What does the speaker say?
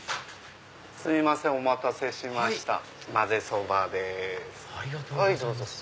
すいませんお待たせしましたまぜそばです。